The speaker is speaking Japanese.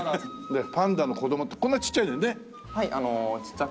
パンダの子供ってこんなちっちゃいんだよね？